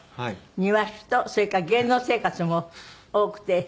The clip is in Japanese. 庭師とそれから芸能生活も多くて。